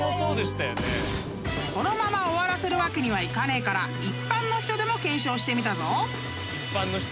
［このまま終わらせるわけにはいかねえから一般の人でも検証してみたぞ］